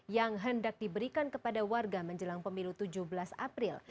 yang hendak diberikan kepada warga menjelang pemilu tujuh belas april